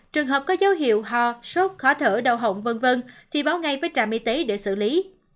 trường hợp có dấu hiệu ho sốt khó thở đau hỏng v v thì báo ngay với trạm y tế để xử lý